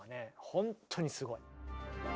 本当にすごい。